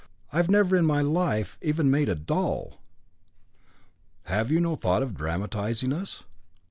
I never in my life even made a doll." "Have you no thought of dramatising us?"